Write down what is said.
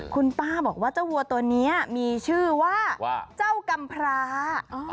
คุณป้าบอกว่าเจ้าวัวตัวนี้มีชื่อว่าเจ้ากำพร้า